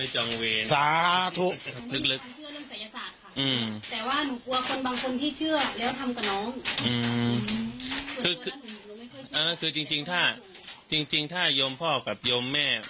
จริงถ้ายมพ่อกับยมแม่